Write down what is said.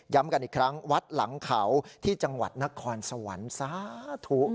กันอีกครั้งวัดหลังเขาที่จังหวัดนครสวรรค์สาธุ